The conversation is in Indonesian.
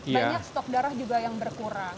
banyak stok darah juga yang berkurang